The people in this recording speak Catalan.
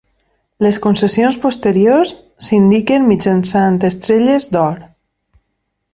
Les concessions posteriors s'indiquen mitjançant estrelles d'or.